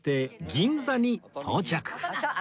銀座に到着